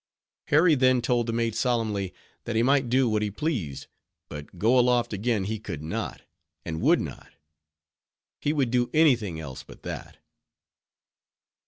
Harry then told the mate solemnly, that he might do what he pleased, but go aloft again he could not, and would not. He would do any thing else but that.